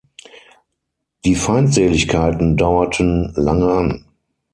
Die Feindseligkeiten dauerten lange an.